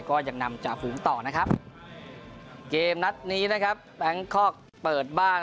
ก็ยังนำจ่าฝูงต่อนะครับเกมนัดนี้นะครับแบงคอกเปิดบ้าน